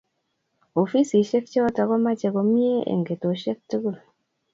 Ofisishek chotok ko mache komie eng' ketoshek tugul